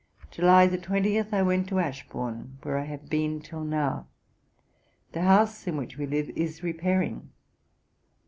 July 20, I went to Ashbourne, where I have been till now; the house in which we live is repairing.